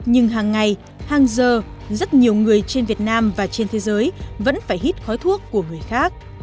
nhưng hàng ngày hàng giờ rất nhiều người trên việt nam và trên thế giới vẫn phải hít khói thuốc của người khác